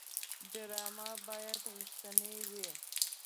ډرامه باید رښتینې وي